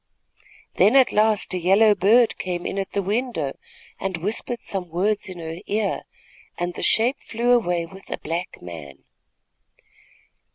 "Then at last a yellow bird came in at the window and whispered some words in her ear, and the shape flew away with a black man."